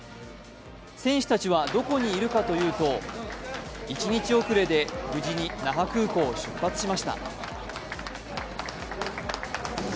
選手たちはどこにいるかというと、１日遅れで無事に那覇空港を出発しました。